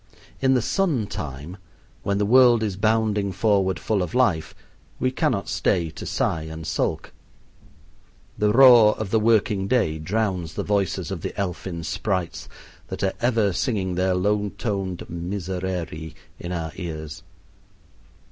In the sun time, when the world is bounding forward full of life, we cannot stay to sigh and sulk. The roar of the working day drowns the voices of the elfin sprites that are ever singing their low toned miserere in our ears.